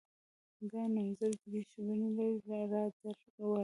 دا نومځري درې بڼې لري را در ور.